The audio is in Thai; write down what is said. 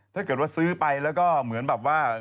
ถ้าเกิดว่าซื้อไปแล้วก็เหมือนแบบว่า